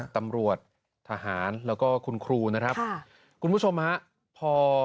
ตำรวจทหารแล้วก็คุณครูนะครับค่ะคุณผู้ชมฮะพอ